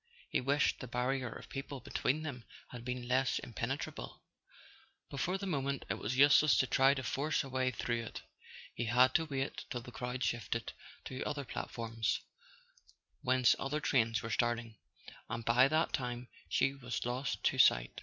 He wished the barrier of people between them had been less impenetrable; but for the moment it was useless to try to force a way through it. He had to wait till the crowd shifted to other platforms, whence other trains were starting, and by that time she was lost to sight.